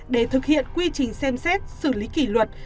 để thực hiện quy trình xem xét xử lý kỷ luật